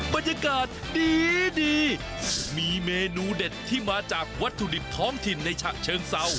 บรรยากาศดีดีมีเมนูเด็ดที่มาจากวัตถุดิบท้องถิ่นในฉะเชิงเศร้า